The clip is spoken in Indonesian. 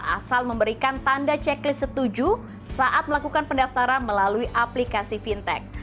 asal memberikan tanda checklist setuju saat melakukan pendaftaran melalui aplikasi fintech